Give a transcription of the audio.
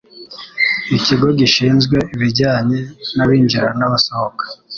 ikigo gishinzwe ibijyanye n abinjira n abasohoka